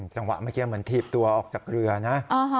จังหวะเมื่อกี้เหมือนถีบตัวออกจากเรือนะ